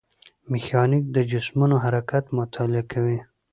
میخانیک د جسمونو حرکت مطالعه کوي.